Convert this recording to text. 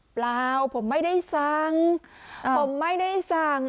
เปล่าผมไม่ได้สั่งผมไม่ได้สั่ง